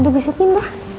ada besetin doh